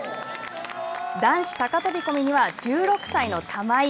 男子高飛び込みには、１６歳の玉井。